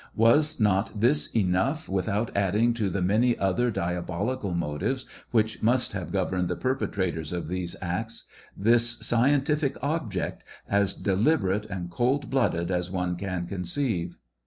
Was not this enough, with out adding to the many other diabolical motives which must have governed the perpetrators of these acts, this scientific object, as deliberate and coldblooded as one can coijceive?